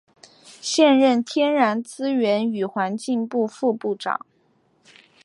现任天然资源与环境部副部长。